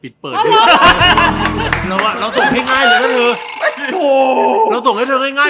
เราส่งให้ง่าย